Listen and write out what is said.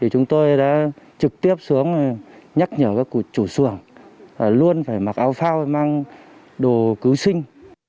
chúng tôi đã trực tiếp xuống nhắc nhở các chủ xuồng luôn phải mặc áo phao mang đồ cứu sinh